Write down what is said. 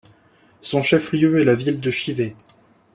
Son chef-lieu est la ville de Chivay.